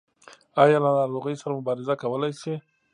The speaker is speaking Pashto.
ایا له ناروغۍ سره مبارزه کولی شئ؟